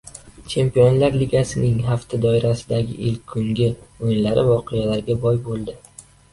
Chempionlar Ligasining hafta doirasidagi ilk kungi o‘yinlari voqealarga boy bo‘ldi